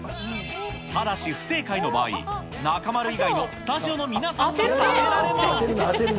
ただし不正解の場合、中丸以外のスタジオの皆さんが食べられます。